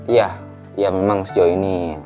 iya ya memang sejauh ini